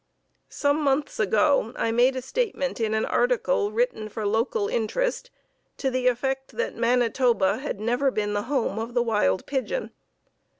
Some months ago I made a statement in an article, written for local interest, to the effect that Manitoba had never been the home of the wild pigeon.